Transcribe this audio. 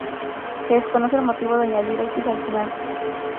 Se desconoce el motivo de añadir x al final.